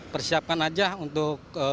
persiapkan saja untuk kembali